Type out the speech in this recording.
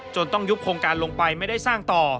ต้องยุบโครงการลงไปไม่ได้สร้างต่อ